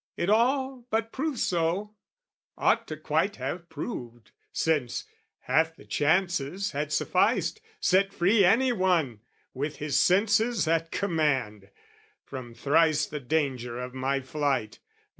It all but proved so, ought to quite have proved, Since, half the chances had sufficed, set free Any one, with his senses at command, From thrice the danger of my flight.